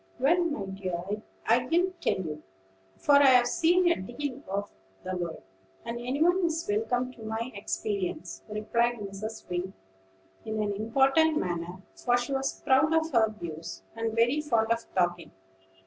"Well, my dear, I'll tell you; for I've seen a deal of the world, and any one is welcome to my experience," replied Mrs. Wing, in an important manner; for she was proud of her "views," and very fond of talking.